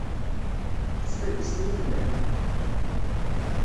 S tadist ay tellamt?